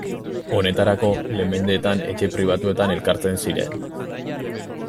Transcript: Honetarako, lehen mendeetan etxe pribatuetan elkartzen ziren.